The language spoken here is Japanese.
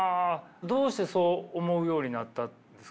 どうしてそう思うようになったんですか？